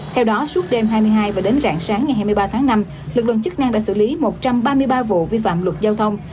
theo đó suốt đêm hai mươi hai và đến rạng sáng ngày hai mươi ba tháng năm lực lượng chức năng đã xử lý một trăm ba mươi ba vụ vi phạm luật giao thông